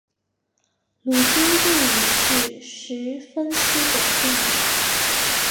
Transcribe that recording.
卢津定理是实分析的定理。